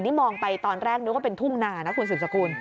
นี่มองไปตอนแรกนึกว่าเป็นทุ่งนานะคุณสืบสกุล